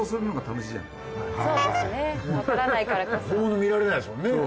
本物見られないですもんね。